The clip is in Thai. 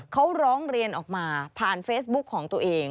เขาร้องเรียนออกมาผ่านเฟซบุ๊คของตัวเอง